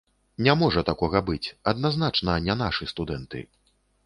Не можа такога быць, адназначна не нашы студэнты.